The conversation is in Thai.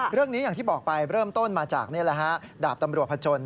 เรื่องนี้อย่างที่บอกไปเริ่มต้นมาจากดาบตำรวจผจญ